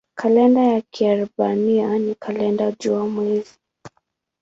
Kalenda ya Kiebrania ni kalenda jua-mwezi.